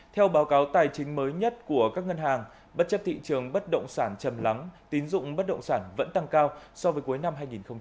theo báo cáo tài chính mới nhất của các ngân hàng bất chấp thị trường bất động sản chầm lắng tín dụng bất động sản vẫn tăng cao so với cuối năm hai nghìn một mươi chín